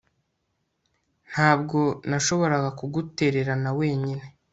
Ntabwo nashoboraga kugutererana wenyine